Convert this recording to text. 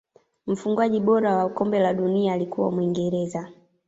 mfungaji bora wa kombe la dunia alikuwa muingereza